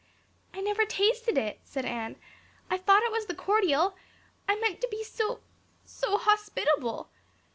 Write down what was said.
"I never tasted it," said Anne. "I thought it was the cordial. I meant to be so so hospitable.